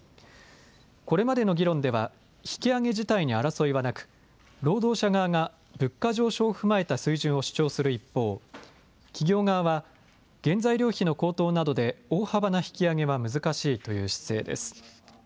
これまでの議論では引き上げ自体に争いはなく労働者側が物価上昇を踏まえた水準を主張する一方、企業側は原材料費の高騰などで大幅な引き上げは難しいという姿勢です。